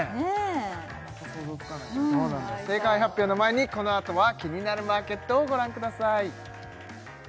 正解発表の前にこのあとは「キニナルマーケット」をご覧ください